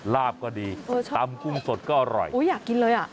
ลาบก็ดีตำกุ้งสดก็อร่อยโอ้อยากกินเลยอ่ะ